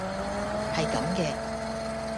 係咁嘅